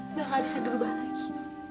udah gak bisa dirubah lagi